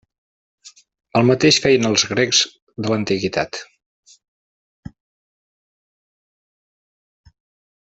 El mateix feien els grecs de l'antiguitat.